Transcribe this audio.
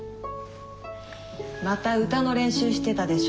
また歌の練習してたでしょ。